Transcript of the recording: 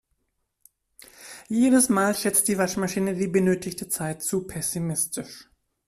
Jedes Mal schätzt die Waschmaschine die benötigte Zeit zu pessimistisch.